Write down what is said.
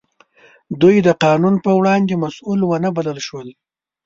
دوی د قانون په وړاندې مسوول ونه بلل شول.